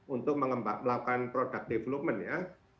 untuk melakukan product development ya